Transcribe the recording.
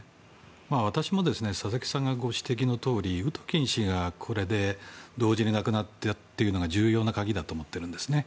私も佐々木さんのご指摘のとおりウトキン氏がこれで同時に亡くなったというのが重要な鍵だと思ってるんですね。